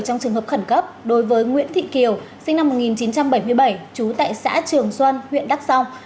trong trường hợp khẩn cấp đối với nguyễn thị kiều sinh năm một nghìn chín trăm bảy mươi bảy trú tại xã trường xuân huyện đắc song